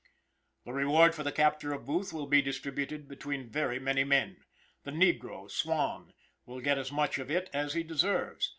The reward for the capture of Booth will be distributed between very many men. The negro, Swan, will get as much of it, as he deserves.